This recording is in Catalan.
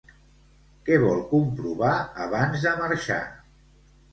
Què vol comprovar abans de marxar?